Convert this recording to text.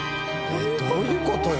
どういう事よ。